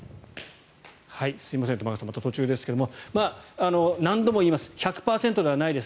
すみません、玉川さん途中ですけれども何度も言います１００％ではないです。